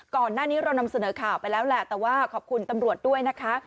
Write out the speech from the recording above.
ก่อนหน้านี้เรานำเสนอข่าวไปแล้วแหละแต่ว่าขอบคุณตำรวจด้วยนะคะ